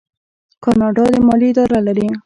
کاناډا د مالیې اداره لري.